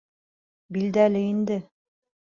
Билдәле инде.